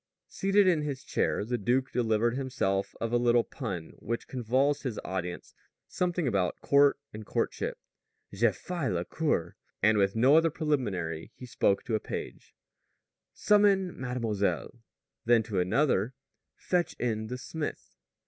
Seated in his chair, the duke delivered himself of a little pun which convulsed his audience something about "court and courtship": "Je fais la cour." And with no other preliminary he spoke to a page: "Summon mademoiselle." Then to another: "Fetch in the smith."